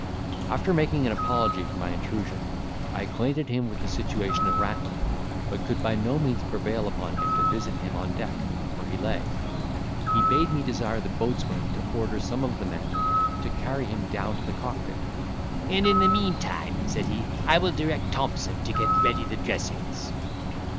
After making an apology for my intrusion, I acquainted him with the situation of Rattlin, but could by no means prevail upon him to visit him on deck, where he lay; he bade me desire the boatswain to order some of the men to carry him down to the cockpit, "and in the meantime," said he, "I will direct Thompson to get ready the dressings."